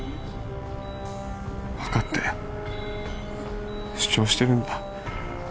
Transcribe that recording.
分かって主張してるんだ